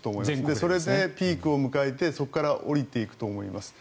それでピークを迎えてそこから下りていくと思います。